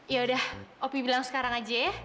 yaudah opi bilang sekarang aja ya